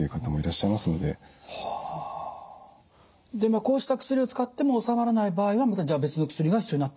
でまあこうした薬を使っても治まらない場合はまたじゃあ別の薬が必要になってくるということですか？